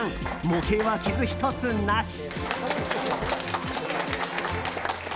模型は傷ひとつなし。